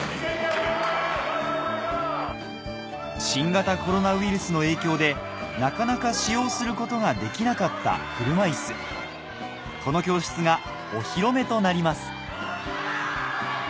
新型コロナウイルスの影響でなかなか使用することができなかった車いすこの教室がお披露目となります